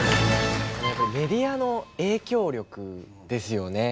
やっぱりメディアの影響力ですよね。